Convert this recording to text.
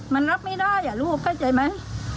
มันรับไม่ได้ลูกเข้าใจไหม